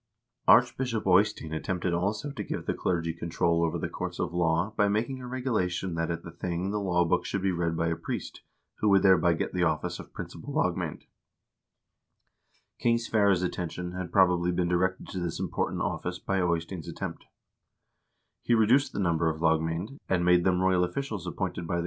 Archbishop Eystein attempted also to give the clergy control over the courts of law by making a regulation that at the thing the law book should be read by a priest, who would thereby get the office of principal lagmand. King Sverre's attention had, probably, been directed to this important office by Eystein 's attempt. He reduced the number of lagmand, and made them royal officials appointed by 1 Keyser, Norges Stats og Retsforfatning, p. 247.